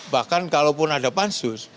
bahkan kalau pun ada pansus